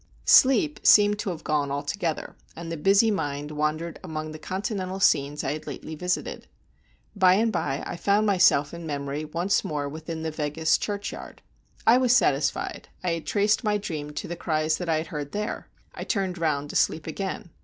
Sleep seemed to have gone altogether, and the busy mind wandered among the continental scenes I had lately visited. By and by I found myself in memory once more within the Weggis churchyard. I was satisfied; I had traced my dream to the cries that I had heard there. I turned round to sleep again.